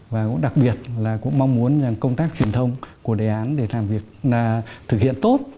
và cũng đặc biệt là cũng mong muốn rằng công tác truyền thông của đề án để làm việc thực hiện tốt